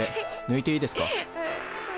ぬいていいですか？